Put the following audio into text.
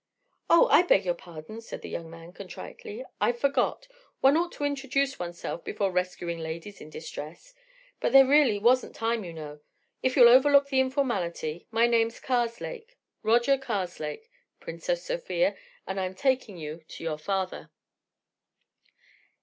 "Oh, I beg your pardon!" said the young man, contritely. "I forgot. One ought to introduce one's self before rescuing ladies in distress—but there really wasn't time, you know. If you'll overlook the informality, my name's Karslake, Roger Karslake, Princess Sofia, and I'm taking you to your father."